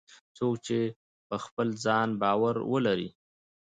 څوک چې په خپل ځان باور ولري